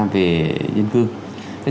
về dân cư